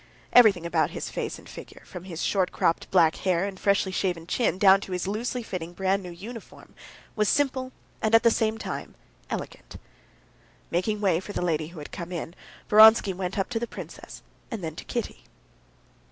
Everything about his face and figure, from his short cropped black hair and freshly shaven chin down to his loosely fitting, brand new uniform, was simple and at the same time elegant. Making way for the lady who had come in, Vronsky went up to the princess and then to Kitty.